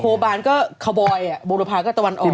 โคบารก็คอบอยอ่ะบริษัทก็ตะวันออก